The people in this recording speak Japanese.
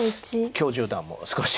許十段も少し。